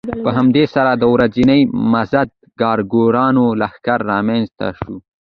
په همدې سره د ورځني مزد کارګرانو لښکر رامنځته شو